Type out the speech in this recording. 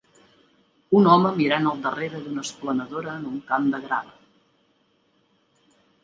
Un home mirant al darrere d'una esplanadora en un camp de grava.